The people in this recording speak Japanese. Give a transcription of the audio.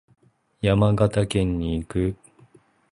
山形県に行く。